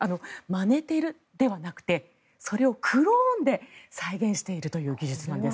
まねているではなくてそれをクローンで再現しているという技術なんです。